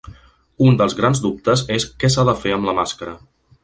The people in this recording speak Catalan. Un dels grans dubtes és què s’ha de fer amb la màscara.